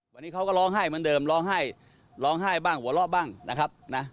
วันนี้เขาก็ร้องไห้เหมือนเดิมร้องไห้ร้องไห้บ้างหัวเราะบ้างนะครับนะ